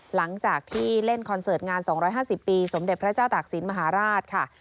หลังจากที่เล่นคอนเสิร์ตงาน๒๕๐ปีสมเด็จพระเจ้าตากศิลปมหาราชค่ะ